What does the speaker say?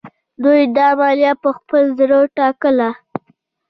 دوی دا مالیه په خپل زړه ټاکله.